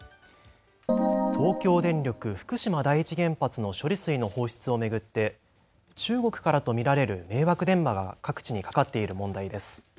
東京電力福島第一原発の処理水の放出を巡って中国からと見られる迷惑電話が各地にかかっている問題です。